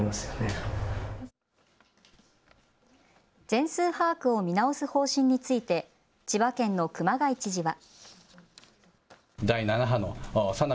全数把握を見直す方針について千葉県の熊谷知事は。